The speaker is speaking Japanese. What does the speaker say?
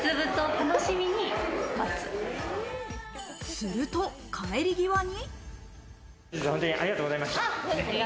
すると帰り際に。